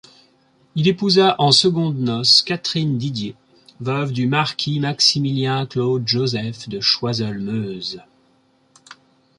Il épousa en secondes noces Catherine Didier, veuve du marquis Maximilien-Claude-Joseph de Choiseul-Meuse.